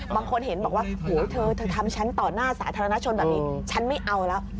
บางคนเห็นบอกว่าโหเธอเธอทำฉันต่อหน้าสาธารณชนแบบนี้ฉันไม่เอาแล้ว